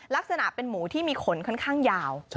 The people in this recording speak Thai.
ลักษณะเป็นหมูที่มีขนค่อนข้างยาว